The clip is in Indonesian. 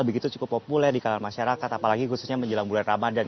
begitu cukup populer di kalangan masyarakat apalagi khususnya menjelang bulan ramadan